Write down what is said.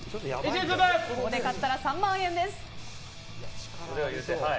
ここで勝ったら３万円です。